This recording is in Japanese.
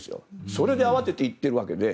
それで慌てて行っているわけで。